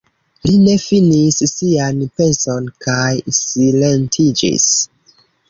Li ne finis sian penson kaj silentiĝis.